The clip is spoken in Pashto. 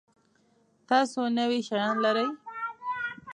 تاسو نوي شیان لرئ؟